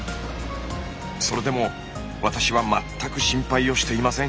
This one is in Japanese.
それでも私は全く心配をしていません。